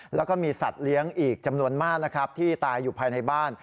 แล้วก็มีสัตว์เลี้ยงอีกจำนวนมากนะครับที่ตายอยู่ภายในบ้าน